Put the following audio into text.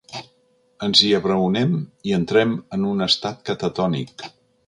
Ens hi abraonem i entrem en un estat catatònic.